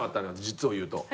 実を言うと。